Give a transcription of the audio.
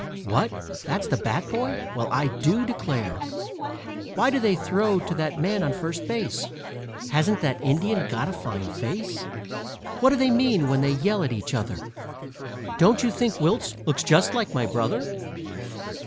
What that's the bat boy? Well, I do declare!" "Why do they throw to that man on first base?" "Hasn't that Indian got a fine face?" "What do they mean when they yell at each other?" "Don't you think Wiltse looks just like my brother?"